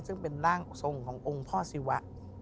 ซึ่งเป็นร่างทรงขององค์พ่อศิวะ